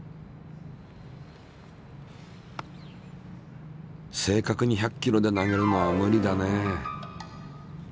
正確に１００キロで投げるのは無理だね。